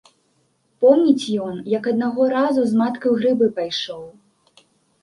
Помніць ён, як аднаго разу з маткай у грыбы пайшоў.